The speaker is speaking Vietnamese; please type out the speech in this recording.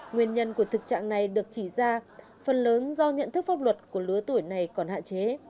nguyên nhân của thực trạng này được chỉ ra phần lớn do nhận thức pháp luật của lứa tuổi này còn hạn chế